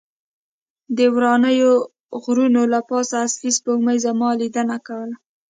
د واورینو غرو له پاسه اصلي سپوږمۍ زموږ لیدنه کوله.